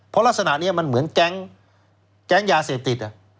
เพราะลักษณะเนี่ยมันเหมือนแก๊งแก๊งยาเสร็จติด